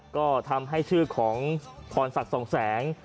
ก็ทำให้ชื่อของพรศักดิ์สองแสง